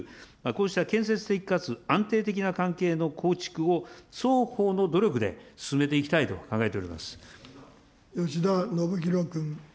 こうした建設的かつ安定的な関係の構築を双方の努力で進めていき吉田宣弘君。